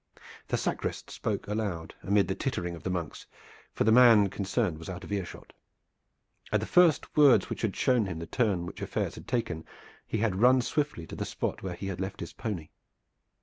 The sacrist spoke aloud amid the tittering of the monks, for the man concerned was out of earshot. At the first words which had shown him the turn which affairs had taken he had run swiftly to the spot where he had left his pony.